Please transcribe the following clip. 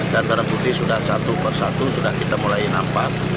dan barang putih sudah satu persatu sudah kita mulai nampak